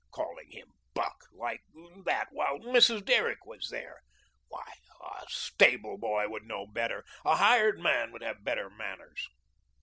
Calling him "Buck" like that while Mrs. Derrick was there. Why a stable boy would know better; a hired man would have better manners.